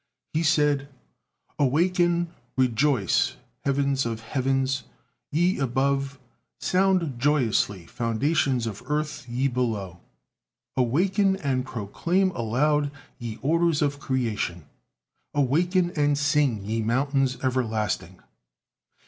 He said: "Awaken, rejoice, heavens of heavens, ye above; sound joyously, foundations of earth, ye below. Awaken and proclaim aloud, ye orders of creation; awaken and sing, ye mountains everlasting.